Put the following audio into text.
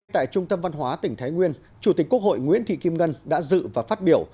tại trung tâm văn hóa tỉnh thái nguyên chủ tịch quốc hội nguyễn thị kim ngân đã dự và phát biểu